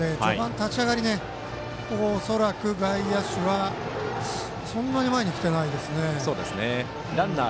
立ち上がり、恐らく外野手はそんなに前に来てないですね。